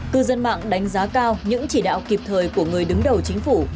cư dân mạng đánh giá cao những chỉ đạo kịp thời của người đứng đầu chính phủ